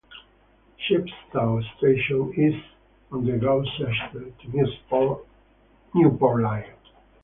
Chepstow station is on the Gloucester to Newport Line.